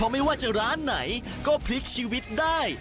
ไม่ว่าจะร้านไหนก็พลิกชีวิตได้